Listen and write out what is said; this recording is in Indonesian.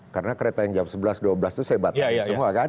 karena kereta yang jam sebelas dua belas itu saya batalin semua kan